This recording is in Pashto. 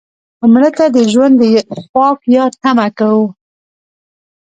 مړه ته د ژوند د پاک یاد تمه کوو